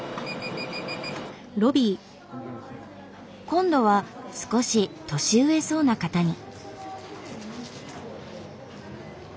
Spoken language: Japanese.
今度は少し年上そうな方に。